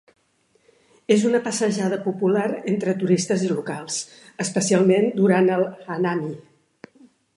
És una passejada popular entre turistes i locals, especialment durant el hanami.